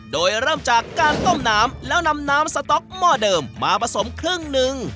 โดยเริ่มจากการต้มน้ำแล้วนำน้ำสต๊อกหม้อเดิมมาผสมครึ่งหนึ่ง